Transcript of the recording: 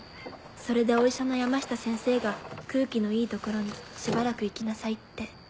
それでお医者の山下先生が空気のいいところにしばらく行きなさいって。